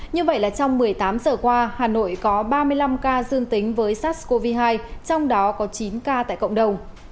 như vậy là trong một mươi tám giờ qua hà nội có ba mươi năm ca dương tính với sars cov hai trong đó có chín ca tại cộng đồng